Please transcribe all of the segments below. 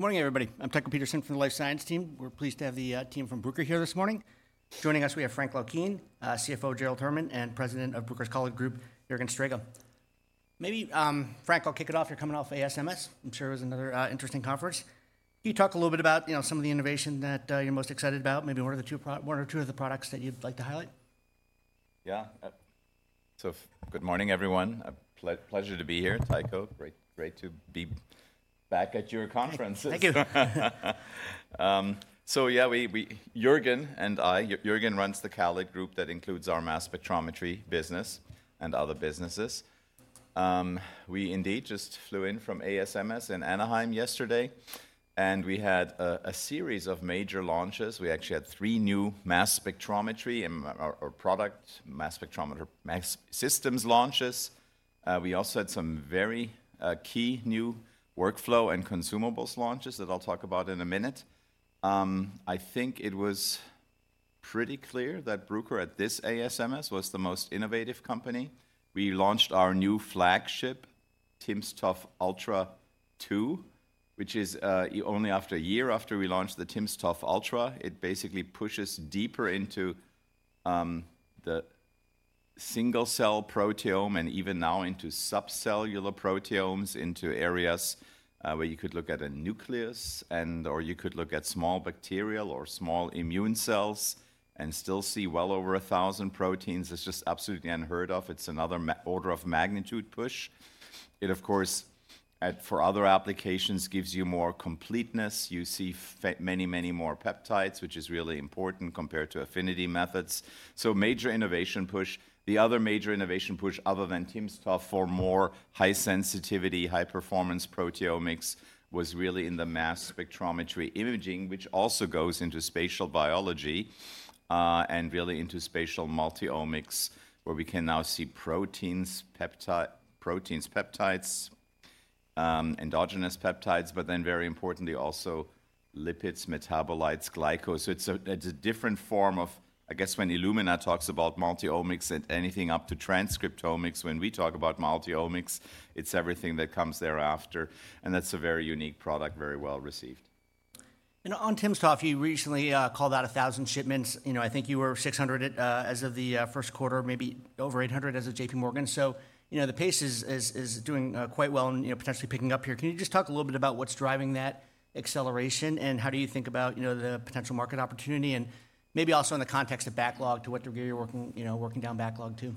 Morning, everybody. I'm Tycho Peterson from the Life Science team. We're pleased to have the team from Bruker here this morning. Joining us, we have Frank Laukien, CFO Gerald Herman, and President of Bruker's CALID Group, Jürgen Srega. Maybe, Frank, I'll kick it off. You're coming off ASMS. I'm sure it was another interesting conference. Can you talk a little bit about, you know, some of the innovation that you're most excited about, maybe one or two of the products that you'd like to highlight? Yeah. Good morning, everyone. A pleasure to be here, Tycho. Great, great to be back at your conferences. Thank you. So yeah, we—Jürgen and I, Jürgen runs the CALID Group that includes our mass spectrometry business and other businesses. We indeed just flew in from ASMS in Anaheim yesterday, and we had a series of major launches. We actually had three new mass spectrometry and product mass spectrometer mass systems launches. We also had some very key new workflow and consumables launches that I'll talk about in a minute. I think it was pretty clear that Bruker, at this ASMS, was the most innovative company. We launched our new flagship, timsTOF Ultra 2, which is only after a year after we launched the timsTOF Ultra. It basically pushes deeper into the single-cell proteome and even now into subcellular proteomes, into areas where you could look at a nucleus and or you could look at small bacterial or small immune cells and still see well over a thousand proteins. It's just absolutely unheard of. It's another order of magnitude push. It, of course, for other applications, gives you more completeness. You see many, many more peptides, which is really important compared to affinity methods. So major innovation push. The other major innovation push, other than timsTOF, for more high sensitivity, high-performance proteomics, was really in the mass spectrometry imaging, which also goes into spatial biology and really into spatial multi-omics, where we can now see proteins, proteins, peptides, endogenous peptides, but then very importantly, also lipids, metabolites, glycans. So it's a, it's a different form of I guess when Illumina talks about multi-omics and anything up to transcriptomics, when we talk about multi-omics, it's everything that comes thereafter, and that's a very unique product, very well received. On timsTOF, you recently called out 1,000 shipments. You know, I think you were 600 at as of the first quarter, maybe over 800 as of JPMorgan. So, you know, the pace is doing quite well and, you know, potentially picking up here. Can you just talk a little bit about what's driving that acceleration, and how do you think about, you know, the potential market opportunity and maybe also in the context of backlog to what degree you're working, you know, working down backlog, too?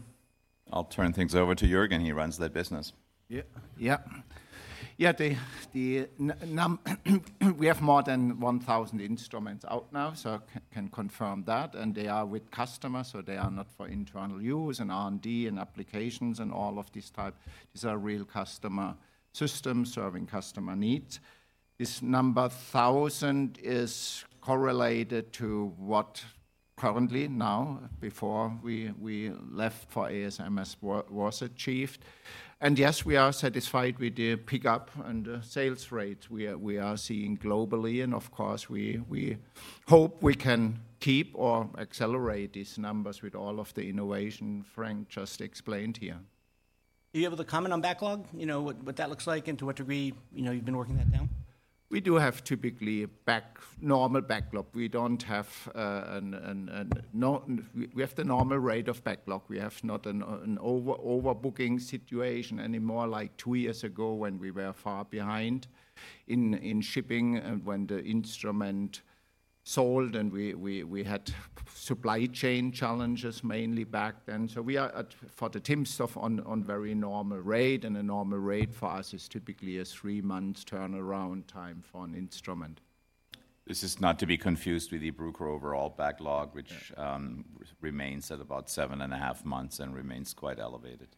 I'll turn things over to Jürgen. He runs that business. Yeah. Yeah. Yeah, the number. We have more than 1,000 instruments out now, so I can confirm that, and they are with customers, so they are not for internal use and R&D and applications and all of these type. These are real customer systems serving customer needs. This number thousand is correlated to what currently, now, before we left for ASMS, was achieved. And yes, we are satisfied with the pickup and sales rate we are seeing globally, and of course, we hope we can keep or accelerate these numbers with all of the innovation Frank just explained here. Are you able to comment on backlog? You know, what, what that looks like and to what degree, you know, you've been working that down? We do have typically a normal backlog. We don't have an abnormal backlog. We have the normal rate of backlog. We have not an overbooking situation anymore, like two years ago when we were far behind in shipping and when the instrument sold, and we had supply chain challenges mainly back then. So we are at a very normal rate for the timsTOF, and a normal rate for us is typically a three-month turnaround time for an instrument. This is not to be confused with the Bruker overall backlog, which remains at about 7.5 months and remains quite elevated.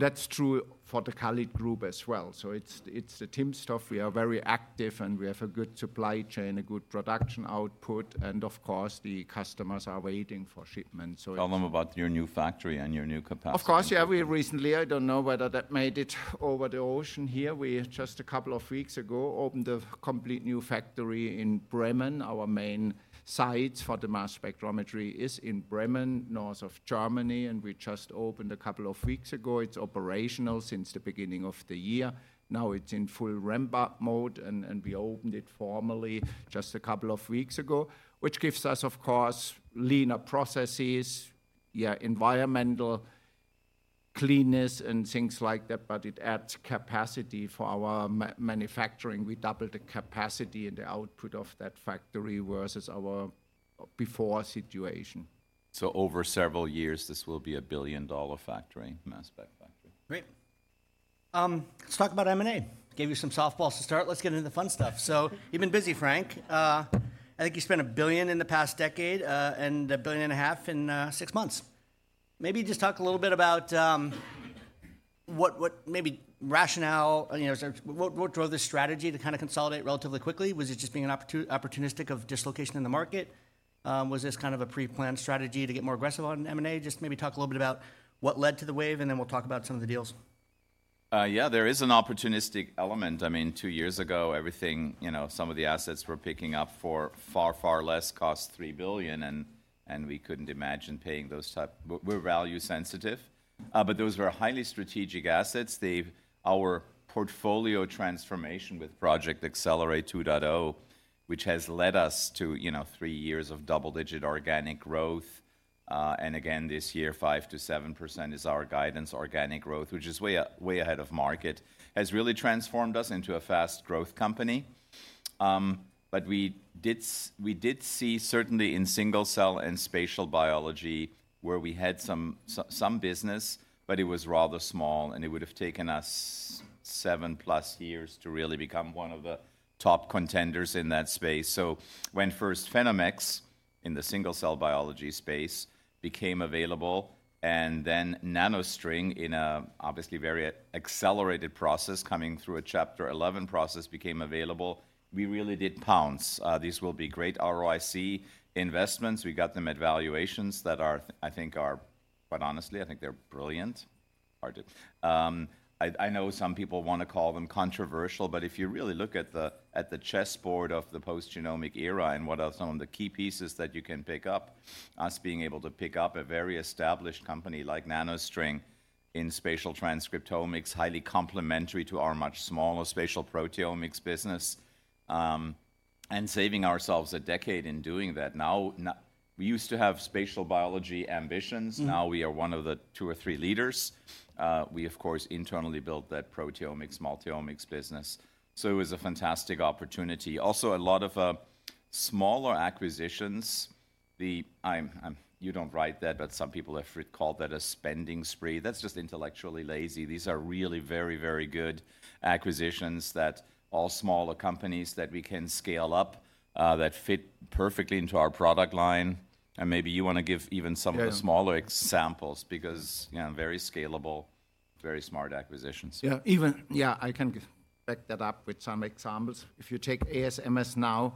That's true for the CALID Group as well. So it's the timsTOF, we are very active, and we have a good supply chain, a good production output, and of course, the customers are waiting for shipments, so it's. Tell them about your new factory and your new capacity. Of course, yeah, we recently. I don't know whether that made it over the ocean here. We just a couple of weeks ago opened a complete new factory in Bremen. Our main site for the mass spectrometry is in Bremen, north of Germany, and we just opened a couple of weeks ago. It's operational since the beginning of the year. Now it's in full ramp-up mode, and we opened it formally just a couple of weeks ago, which gives us, of course, leaner processes, yeah, environmental cleanness and things like that, but it adds capacity for our manufacturing. We doubled the capacity and the output of that factory versus our before situation. Over several years, this will be a billion-dollar factory, mass spec factory. Great. Let's talk about M&A. Gave you some softballs to start. Let's get into the fun stuff. So you've been busy, Frank. I think you spent $1 billion in the past decade, and $1.5 billion in 6 months. Maybe just talk a little bit about, what, what maybe rationale, you know, so what, what drove this strategy to kind of consolidate relatively quickly? Was it just being an opportunistic of dislocation in the market? Was this kind of a pre-planned strategy to get more aggressive on M&A? Just maybe talk a little bit about what led to the wave, and then we'll talk about some of the deals. Yeah, there is an opportunistic element. I mean, two years ago, everything, you know, some of the assets we're picking up for far, far less cost $3 billion, and we couldn't imagine paying those type. We're, we're value sensitive, but those were highly strategic assets. Our portfolio transformation with Project Accelerate 2.0, which has led us to, you know, three years of double-digit organic growth, and again, this year, 5%-7% is our guidance organic growth, which is way ahead of market, has really transformed us into a fast growth company. But we did see, certainly in single-cell and spatial biology, where we had some business, but it was rather small, and it would have taken us 7+ years to really become one of the top contenders in that space. So when first PhenomeX, in the single-cell biology space, became available, and then NanoString, in a obviously very accelerated process, coming through a Chapter 11 process, became available, we really did pounce. These will be great ROIC investments. We got them at valuations that are I think are quite honestly, I think they're brilliant. I know some people want to call them controversial, but if you really look at the, at the chessboard of the post-genomic era and what are some of the key pieces that you can pick up, us being able to pick up a very established company like NanoString in spatial transcriptomics, highly complementary to our much smaller spatial proteomics business, and saving ourselves a decade in doing that. Now, we used to have spatial biology ambitions. Now we are one of the two or three leaders. We, of course, internally built that proteomics, multi-omics business, so it was a fantastic opportunity. Also, a lot of smaller acquisitions. You don't write that, but some people have called that a spending spree. That's just intellectually lazy. These are really very, very good acquisitions that all smaller companies that we can scale up, that fit perfectly into our product line, and maybe you want to give even some. Yeah Of the smaller examples because, you know, very scalable, very smart acquisitions. Yeah, Yeah, I can back that up with some examples. If you take ASMS now,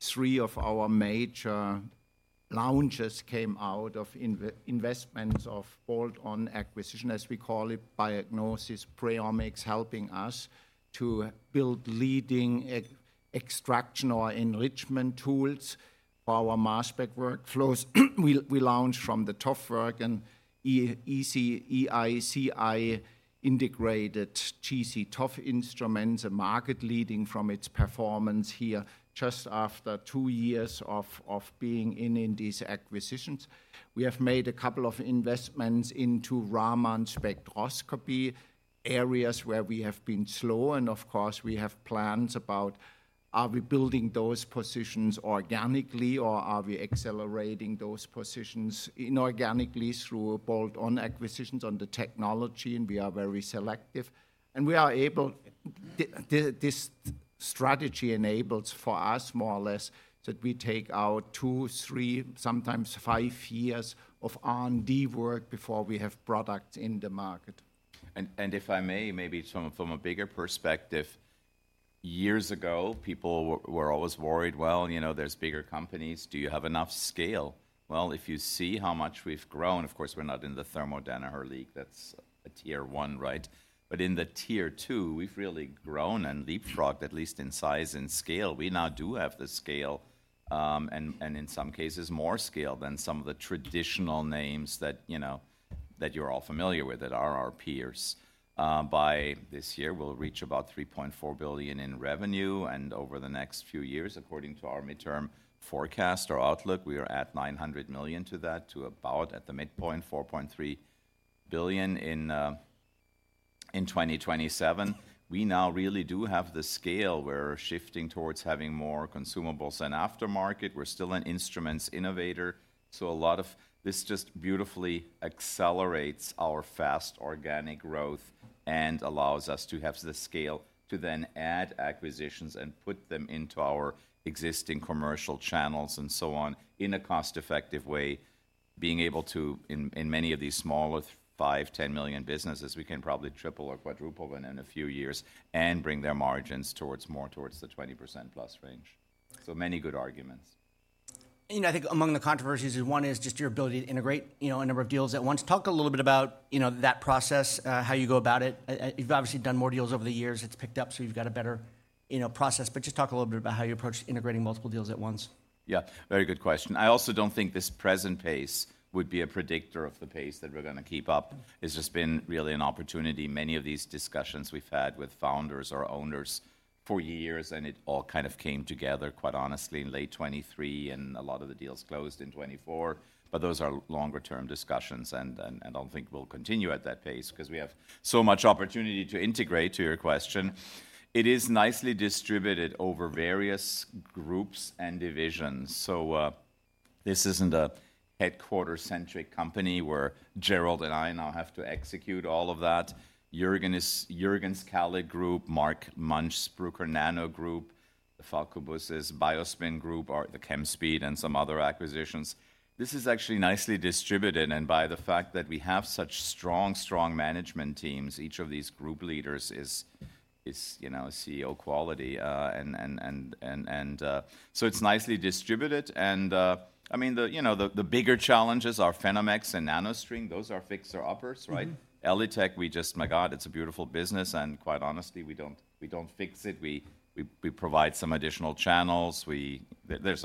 three of our major launches came out of investments of bolt-on acquisition, as we call it, Diagnostics, PreOmics, helping us to build leading extraction or enrichment tools for our mass spec workflows. We launched from the TOFWERK and ecTOF integrated GC-TOF instruments, a market leading from its performance here just after two years of being in these acquisitions. We have made a couple of investments into Raman spectroscopy, areas where we have been slow, and of course, we have plans about, are we building those positions organically, or are we accelerating those positions inorganically through a bolt-on acquisitions on the technology? And we are very selective, and we are able... This strategy enables for us, more or less, that we take out two, three, sometimes five years of R&D work before we have products in the market. If I may, maybe from a bigger perspective, years ago, people were always worried: "Well, you know, there's bigger companies. Do you have enough scale?" Well, if you see how much we've grown, of course, we're not in the Thermo Fisher league. That's a tier one, right? But in the tier two, we've really grown and leapfrogged, at least in size and scale. We now do have the scale, and in some cases, more scale than some of the traditional names that, you know, that you're all familiar with, that are our peers. By this year, we'll reach about $3.4 billion in revenue, and over the next few years, according to our midterm forecast or outlook, we are at $900 million to that, to about, at the midpoint, $4.3 billion in 2027. We now really do have the scale. We're shifting towards having more consumables and aftermarket. We're still an instruments innovator, so a lot of this just beautifully accelerates our fast organic growth and allows us to have the scale to then add acquisitions and put them into our existing commercial channels and so on in a cost-effective way. Being able to, in many of these smaller $5 million, $10 million businesses, we can probably triple or quadruple within a few years and bring their margins towards more towards the 20%+ range. So many good arguments. I think among the controversies is, one is just your ability to integrate, you know, a number of deals at once. Talk a little bit about, you know, that process, how you go about it. You've obviously done more deals over the years. It's picked up, so you've got a better, you know, process, but just talk a little bit about how you approach integrating multiple deals at once. Yeah, very good question. I also don't think this present pace would be a predictor of the pace that we're going to keep up. It's just been really an opportunity. Many of these discussions we've had with founders or owners for years, and it all kind of came together, quite honestly, in late 2023, and a lot of the deals closed in 2024. But those are longer-term discussions, and I don't think we'll continue at that pace because we have so much opportunity to integrate, to your question. It is nicely distributed over various groups and divisions, so this isn't a headquarters-centric company where Gerald and I now have to execute all of that. Jürgen is Jürgen's CALID Group, Mark Munch's Bruker Nano Group, Falko Busse's BioSpin Group, or the Chemspeed and some other acquisitions. This is actually nicely distributed, and by the fact that we have such strong, strong management teams, each of these group leaders is, you know, CEO quality. So it's nicely distributed, and I mean, you know, the bigger challenges are PhenomeX and NanoString. Those are fixer-uppers, right? ELITech, we just, My God, it's a beautiful business, and quite honestly, we don't, we don't fix it. We provide some additional channels. There's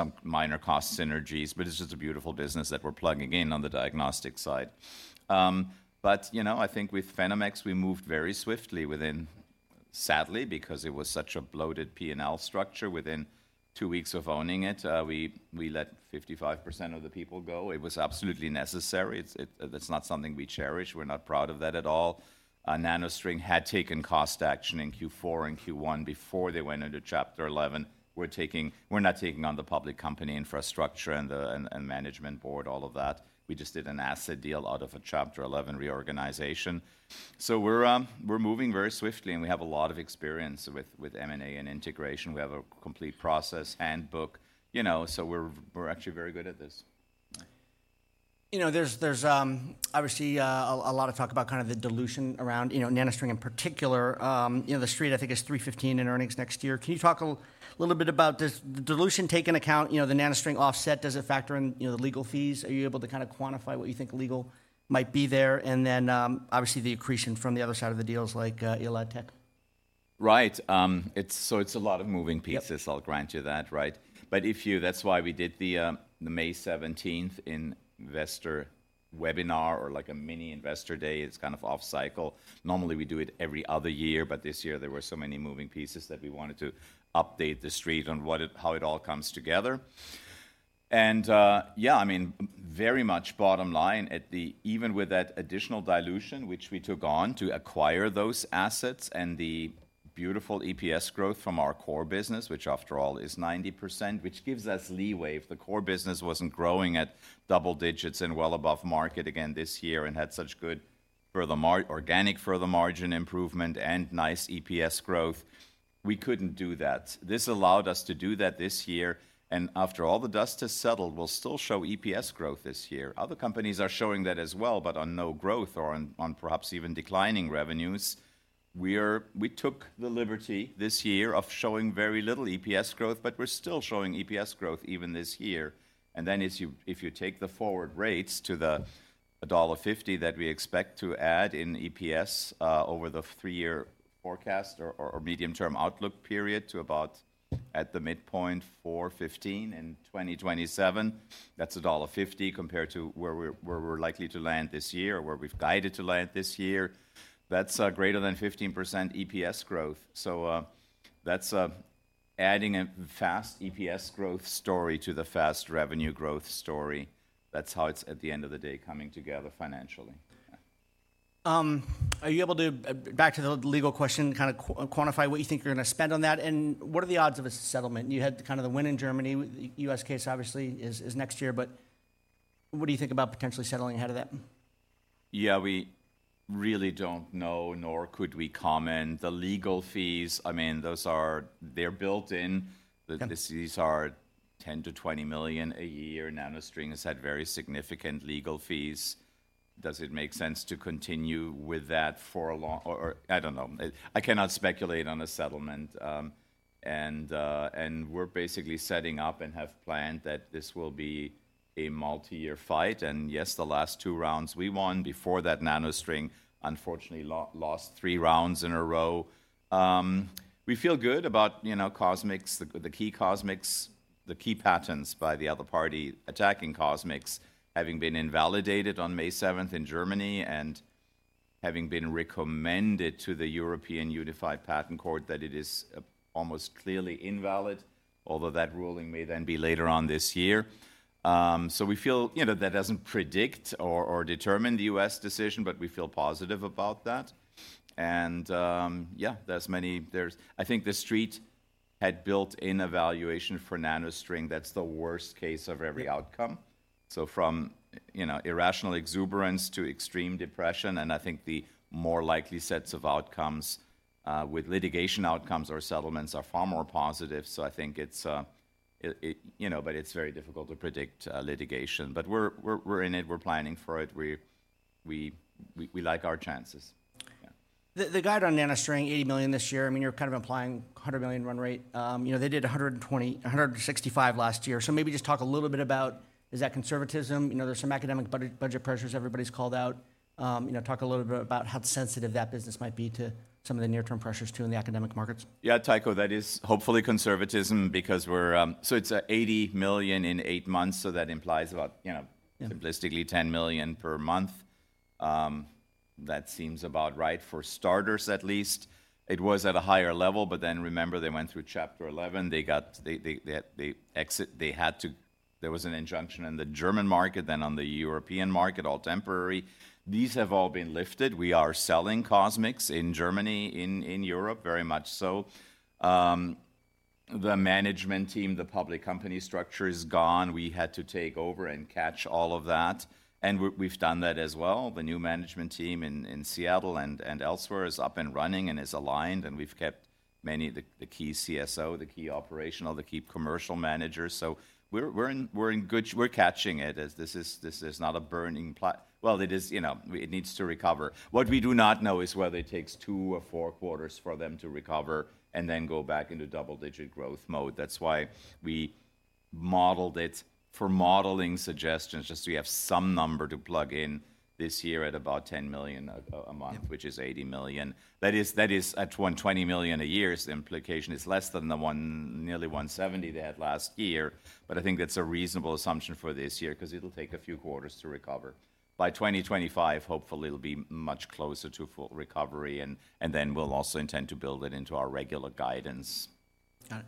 some minor cost synergies, but it's just a beautiful business that we're plugging in on the diagnostic side. But, you know, I think with PhenomeX, we moved very swiftly. Sadly, because it was such a bloated P&L structure, within two weeks of owning it, we let 55% of the people go. It was absolutely necessary. It's, that's not something we cherish. We're not proud of that at all. NanoString had taken cost action in Q4 and Q1 before they went into Chapter 11. We're not taking on the public company infrastructure and the management board, all of that. We just did an asset deal out of a Chapter 11 reorganization. So we're moving very swiftly, and we have a lot of experience with M&A and integration. We have a complete process handbook, you know, so we're actually very good at this. You know, there's obviously a lot of talk about kind of the dilution around, you know, NanoString in particular. You know, the Street, I think, is $3.15 in earnings next year. Can you talk a little bit about does the dilution take in account, you know, the NanoString offset? Does it factor in, you know, the legal fees? Are you able to kind of quantify what you think legal might be there? And then, obviously, the accretion from the other side of the deals like ELITech. Right. It's a lot of moving pieces. Yep. I'll grant you that, right? That's why we did the, the May 17th investor webinar or like a mini investor day. It's kind of off cycle. Normally, we do it every other year, but this year there were so many moving pieces that we wanted to update the Street on what it how it all comes together. And, yeah, I mean, very much bottom line at the even with that additional dilution, which we took on to acquire those assets and the beautiful EPS growth from our core business, which after all, is 90%, which gives us leeway. If the core business wasn't growing at double digits and well above market again this year and had such good further mark organic further margin improvement and nice EPS growth, we couldn't do that. This allowed us to do that this year, and after all the dust has settled, we'll still show EPS growth this year. Other companies are showing that as well, but on no growth or on perhaps even declining revenues. We took the liberty this year of showing very little EPS growth, but we're still showing EPS growth even this year. And then, if you take the forward rates to the $1.50 that we expect to add in EPS over the three-year forecast or medium-term outlook period to about at the midpoint, $4.15 in 2027, that's $1.50 compared to where we're likely to land this year or where we've guided to land this year. That's greater than 15% EPS growth. So, that's adding a fast EPS growth story to the fast revenue growth story. That's how it's, at the end of the day, coming together financially. Are you able to back to the legal question, kind of quantify what you think you're gonna spend on that, and what are the odds of a settlement? You had kind of the win in Germany. The U.S. case, obviously, is next year, but what do you think about potentially settling ahead of that? Yeah, we really don't know, nor could we comment. The legal fees, I mean, those are... They're built in. Yep. These are $10 million-$20 million a year. NanoString has had very significant legal fees. Does it make sense to continue with that for a long time, or I don't know. I cannot speculate on a settlement. And we're basically setting up and have planned that this will be a multi-year fight, and yes, the last two rounds we won. Before that, NanoString, unfortunately, lost three rounds in a row. We feel good about, you know, CosMx, the key CosMx, the key patents by the other party attacking CosMx, having been invalidated on May seventh in Germany, and having been recommended to the Unified Patent Court that it is almost clearly invalid, although that ruling may then be later on this year. So we feel, you know, that doesn't predict or determine the U.S. decision, but we feel positive about that. Yeah, there's many. I think the Street had built in a valuation for NanoString. That's the worst case of every outcome. Yep. So from, you know, irrational exuberance to extreme depression, and I think the more likely sets of outcomes with litigation outcomes or settlements are far more positive. So I think it's you know, but it's very difficult to predict litigation. But we're in it, we're planning for it. We like our chances. Yeah. The guide on NanoString, $80 million this year, I mean, you're kind of implying a $100 million run rate. You know, they did $120 million-$165 million last year. So maybe just talk a little bit about, is that conservatism? You know, there's some academic budget pressures everybody's called out. You know, talk a little bit about how sensitive that business might be to some of the near-term pressures, too, in the academic markets. Yeah, Tycho, that is hopefully conservatism because we're so it's $80 million in eight months, so that implies about, you know. Yeah Simplistically, $10 million per month. That seems about right, for starters, at least. It was at a higher level, but then, remember, they went through Chapter 11. They got- they exited- they had to- there was an injunction in the German market, then on the European market, all temporary. These have all been lifted. We are selling CosMx in Germany, in Europe, very much so. The management team, the public company structure is gone. We had to take over and catch all of that, and we're, we've done that as well. The new management team in Seattle and elsewhere is up and running and is aligned, and we've kept many of the key CSO, key operational, key commercial managers. So we're in good. We're catching it as this is not a burning plat. Well, it is, you know, it needs to recover. What we do not know is whether it takes two or four quarters for them to recover and then go back into double-digit growth mode. That's why we modeled it for modeling suggestions, just so we have some number to plug in this year at about $10 million a month. Yeah Which is $80 million. That is, that is at $120 million a year, the implication is less than the one-- nearly $170 million they had last year. But I think that's a reasonable assumption for this year, 'cause it'll take a few quarters to recover. By 2025, hopefully, it'll be much closer to full recovery, and, and then we'll also intend to build it into our regular guidance. Got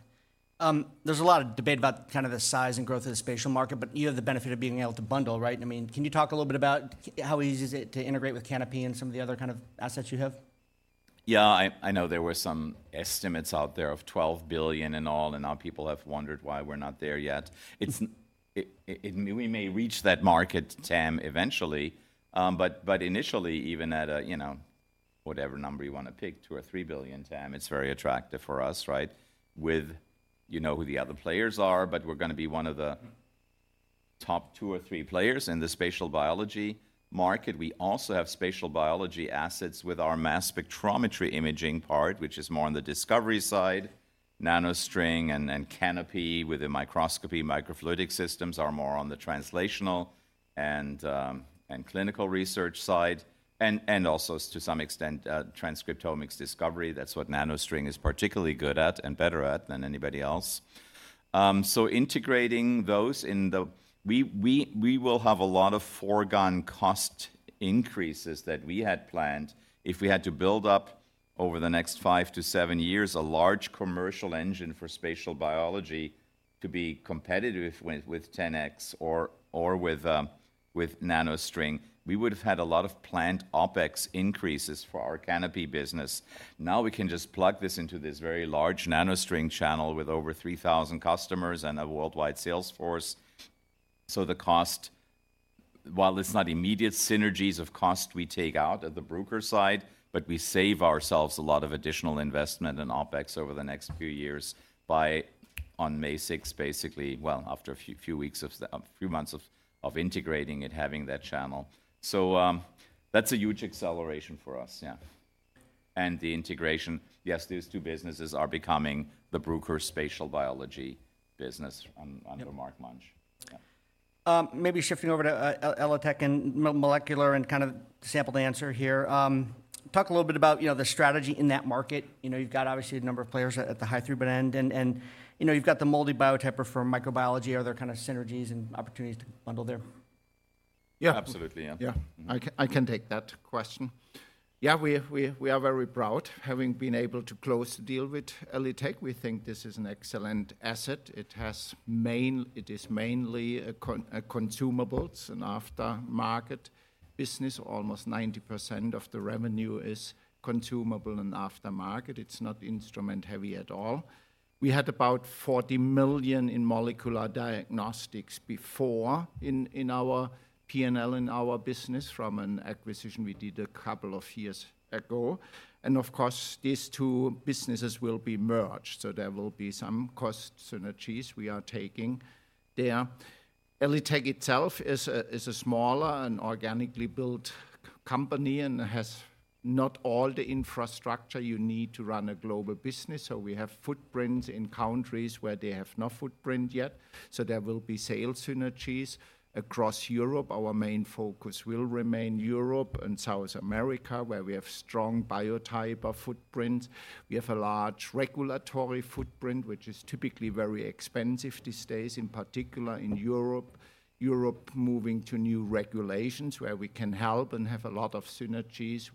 it. There's a lot of debate about kind of the size and growth of the spatial market, but you have the benefit of being able to bundle, right? I mean, can you talk a little bit about how easy is it to integrate with Canopy and some of the other kind of assets you have? Yeah, I know there were some estimates out there of $12 billion in all, and now people have wondered why we're not there yet. It's we may reach that market TAM eventually, but initially, even at a, you know, whatever number you wanna pick, $2 billion or $3 billion TAM, it's very attractive for us, right? With, you know who the other players are, but we're gonna be one of the top two or three players in the spatial biology market. We also have spatial biology assets with our mass spectrometry imaging part, which is more on the discovery side. NanoString and Canopy with the microscopy, microfluidic systems are more on the translational and clinical research side, and also to some extent transcriptomics discovery. That's what NanoString is particularly good at and better at than anybody else. So, integrating those in the. We will have a lot of foregone cost increases that we had planned if we had to build up over the next 5-7 years, a large commercial engine for spatial biology to be competitive with 10x or with NanoString. We would've had a lot of planned OpEx increases for our Canopy business. Now, we can just plug this into this very large NanoString channel with over 3,000 customers and a worldwide sales force. So the cost, while it's not immediate synergies of cost we take out at the Bruker side, but we save ourselves a lot of additional investment in OpEx over the next few years by on May 6, after a few months of integrating and having that channel. So, that's a huge acceleration for us, yeah. And the integration, yes, these two businesses are becoming the Bruker spatial biology business under Mark Munch. Yeah. Maybe shifting over to ELITech and molecular and kind of sample to answer here. Talk a little bit about, you know, the strategy in that market. You know, you've got obviously a number of players at the high-throughput end, and you know, you've got the MALDI Biotyper for microbiology. Are there kind of synergies and opportunities to bundle there? Yeah. Absolutely, yeah. Yeah. I can take that question. Yeah, we are very proud, having been able to close the deal with ELITech. We think this is an excellent asset. It has main-- it is mainly a consumables and aftermarket business. Almost 90% of the revenue is consumable and aftermarket. It's not instrument-heavy at all. We had about $40 million in molecular diagnostics before in, in our P&L, in our business from an acquisition we did a couple of years ago. And of course, these two businesses will be merged, so there will be some cost synergies we are taking there. ELITech itself is a, is a smaller and organically built company and has not all the infrastructure you need to run a global business, so we have footprints in countries where they have no footprint yet. So there will be sales synergies across Europe. Our main focus will remain Europe and South America, where we have strong Biotyper footprints. We have a large regulatory footprint, which is typically very expensive these days, in particular in Europe. Europe moving to new regulations where we can help and have a lot of synergies.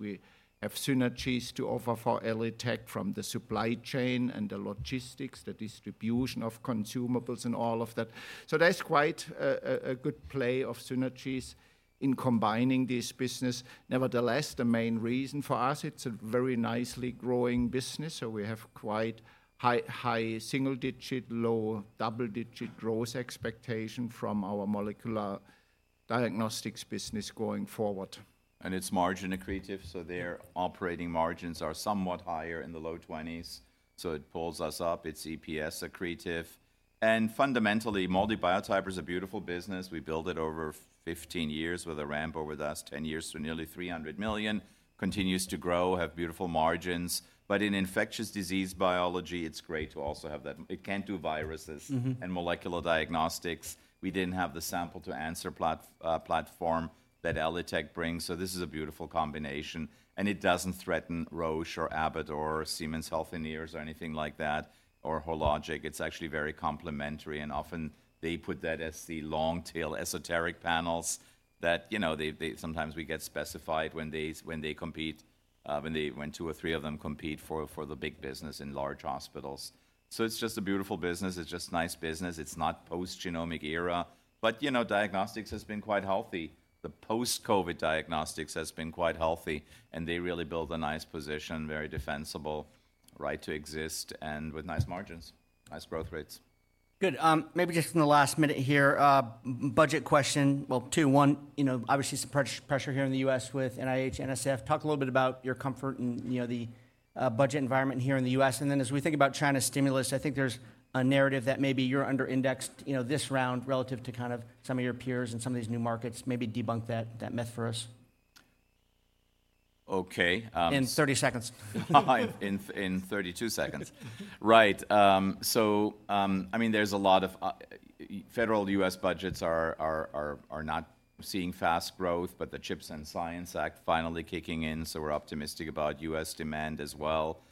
We have synergies to offer for ELITech from the supply chain and the logistics, the distribution of consumables and all of that. So that's quite a good play of synergies in combining this business. Nevertheless, the main reason for us, it's a very nicely growing business, so we have quite high single-digit, low double-digit growth expectation from our molecular diagnostics business going forward. It's margin accretive, so their operating margins are somewhat higher in the low 20s, so it pulls us up. It's EPS accretive. Fundamentally, MALDI Biotyper is a beautiful business. We built it over 15 years with a ramp over the last 10 years to nearly $300 million, continues to grow, have beautiful margins. But in infectious disease biology, it's great to also have that. It can't do viruses. And molecular diagnostics. We didn't have the sample-to-answer platform that ELITech brings, so this is a beautiful combination, and it doesn't threaten Roche or Abbott or Siemens Healthineers or anything like that, or Hologic. It's actually very complementary, and often they put that as the long-tail esoteric panels that, you know, they sometimes we get specified when they compete when two or three of them compete for the big business in large hospitals. So it's just a beautiful business. It's just nice business. It's not post-genomic era, but, you know, diagnostics has been quite healthy. The post-COVID diagnostics has been quite healthy, and they really built a nice position, very defensible, right to exist, and with nice margins, nice growth rates. Good. Maybe just in the last minute here, budget question. Well, two, one, you know, obviously some pressure here in the U.S. with NIH, NSF. Talk a little bit about your comfort and, you know, the budget environment here in the U.S. And then as we think about China's stimulus, I think there's a narrative that maybe you're under-indexed, you know, this round relative to kind of some of your peers and some of these new markets. Maybe debunk that myth for us. Okay, um. In 30 seconds. I mean, there's a lot of Federal U.S. budgets are not seeing fast growth, but the CHIPS and Science Act finally kicking in, so we're optimistic about U.S. demand as well.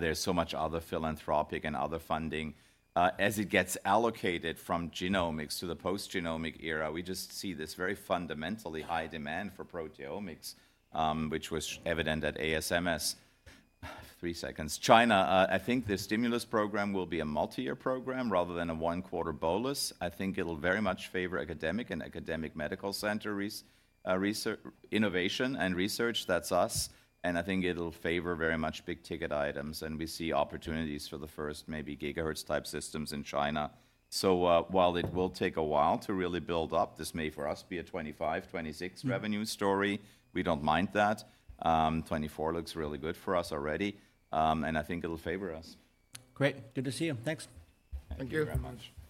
There's so much other philanthropic and other funding. As it gets allocated from genomics to the post-genomic era, we just see this very fundamentally high demand for proteomics, which was evident at ASMS. China, I think the stimulus program will be a multi-year program rather than a one-quarter bolus. I think it'll very much favor academic and academic medical center research, innovation and research. That's us, and I think it'll favor very much big-ticket items, and we see opportunities for the first maybe gigahertz-type systems in China. So, while it will take a while to really build up, this may, for us, be a 2025, 2026 revenue story. We don't mind that. 2024 looks really good for us already, and I think it'll favor us. Great. Good to see you. Thanks. Thank you very much.